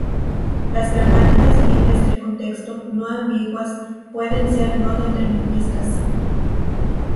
Las gramáticas libres del contexto no-ambiguas pueden ser no deterministas.